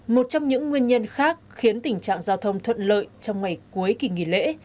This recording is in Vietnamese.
một trong những nguyên nhân khác khiến tình trạng giao thông thuận lợi trong ngày cuối kỳ nghỉ lễ